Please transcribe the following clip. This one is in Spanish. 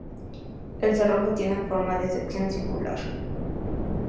El cerrojo tiene forma de sección circular.